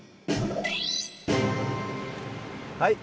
はい。